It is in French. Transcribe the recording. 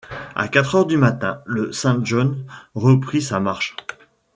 À quatre heures du matin, le Saint-John reprit sa marche.